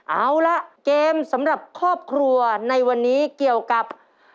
เอาละเกมสำหรับครอบครัวในวันนี้เกี่ยวกับ